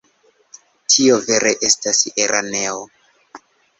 Tio vere estas araneo.